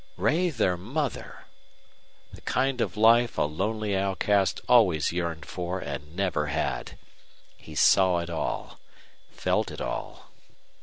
Ray their mother! The kind of life a lonely outcast always yearned for and never had! He saw it all, felt it all.